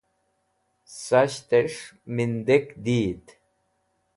Sasht Es̃h Mindek Diyit